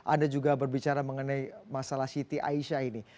anda juga berbicara mengenai masalah siti aisyah ini